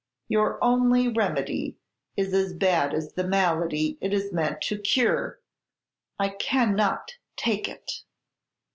Your only remedy is as bad as the malady it is meant to cure! I cannot take it!"